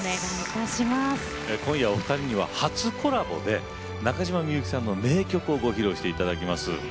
今夜、お二人には初コラボで中島みゆきさんの名曲をご披露していただきます。